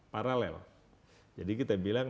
paralel jadi kita bilang